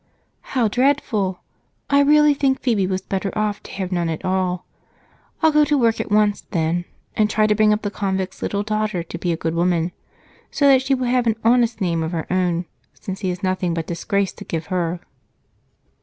"How dreadful! I really think Phebe was better off to have none at all. I'll go to work at once, then, and try to bring up the convict's little daughter to be a good woman so that she will have an honest name of her own, since he has nothing but disgrace to give her."